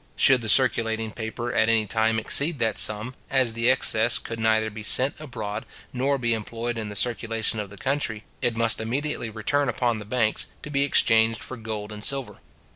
Should the circulating paper at any time exceed that sum, as the excess could neither be sent abroad nor be employed in the circulation of the country, it must immediately return upon the banks, to be exchanged for gold and silver.